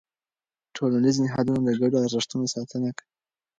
ټولنیز نهادونه د ګډو ارزښتونو ساتنه کوي.